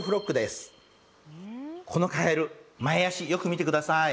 このカエル前足よく見て下さい。